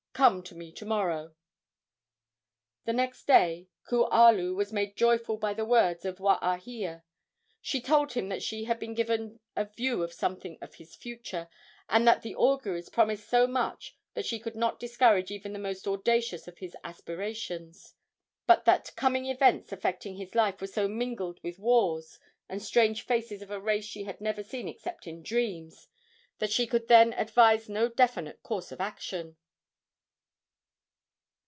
Come to me to morrow." The next day Kualu was made joyful by the words of Waahia. She told him that she had been given a view of something of his future, and that the auguries promised so much that she could not discourage even the most audacious of his aspirations; but that coming events affecting his life were so mingled with wars, and strange faces of a race she had never seen except in dreams, that she could then advise no definite course of action.